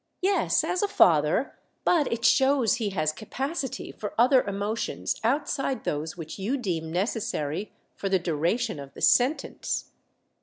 "Yes, as a father; but it shows he has capacity for other emotions outside those which you deem necessary for the duration of the Sentence."